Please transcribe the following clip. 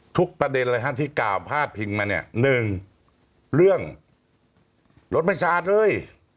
ประเด็นเลยฮะที่กล่าวพาดพิงมาเนี่ยหนึ่งเรื่องรถไม่สะอาดเลย